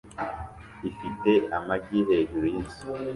ifite amagi hejuru y’inzu